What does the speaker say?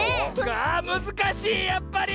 あむずかしいやっぱり！